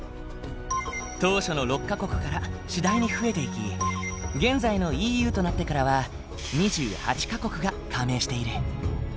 当初の６か国から次第に増えていき現在のＥＵとなってからは２８か国が加盟している。